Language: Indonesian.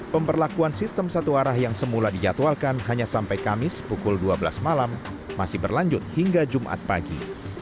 pemberlakuan sistem satu arah yang semula dijadwalkan hanya sampai kamis pukul dua belas malam masih berlanjut hingga jumat pagi